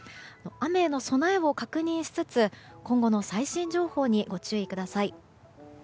雨への備えを確認しつつ今後の最新情報にご注意ください。